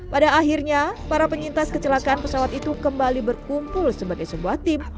pada akhirnya para penyintas kecelakaan pesawat itu kembali berkumpul sebagai sebuah tim